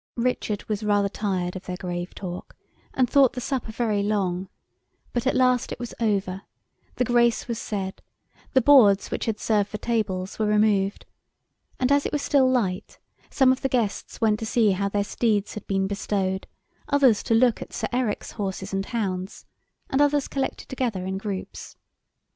Richard was rather tired of their grave talk, and thought the supper very long; but at last it was over, the Grace was said, the boards which had served for tables were removed, and as it was still light, some of the guests went to see how their steeds had been bestowed, others to look at Sir Eric's horses and hounds, and others collected together in groups.